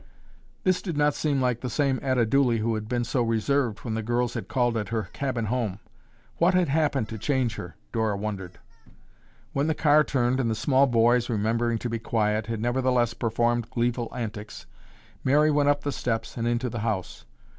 This did not seem like the same Etta Dooley who had been so reserved when the girls had called at her cabin home. What had happened to change her, Dora wondered. When the car turned and the small boys, remembering to be quiet, had nevertheless performed gleeful antics, Mary went up the steps and into the house.